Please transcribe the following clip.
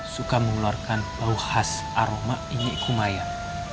suka mengeluarkan bau khas aroma inyekumayan